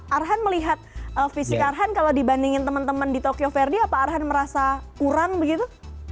arhan melihat fisik arhan kalau dibandingin teman teman di tokyo verde apa arhan merasa kurang begitu